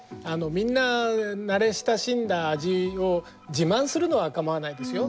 みんな慣れ親しんだ味を自慢するのは構わないんですよ。